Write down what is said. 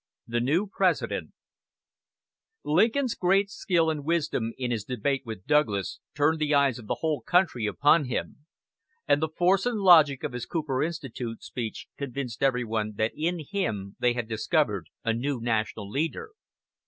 THE NEW PRESIDENT Lincoln's great skill and wisdom in his debate with Douglas turned the eyes of the whole country upon him; and the force and logic of his Cooper Institute speech convinced every one that in him they had discovered a new national leader.